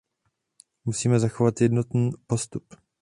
Musíme zachovat jednotný postup.